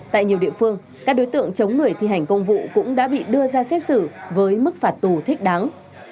tại nhiều địa phương các đối tượng chống người thi hành công vụ cũng đã bị đưa ra xét xử với mức phạt tù thích đáng